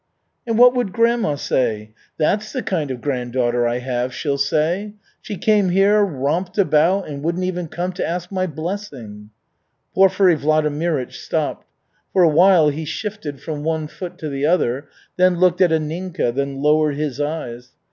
"And what would grandma say? 'That's the kind of granddaughter I have!' she'll say. 'She came here, romped about, and wouldn't even come to ask my blessing.'" Porfiry Vladimirych stopped. For a while he shifted from one foot to the other, then looked at Anninka, then lowered his eyes.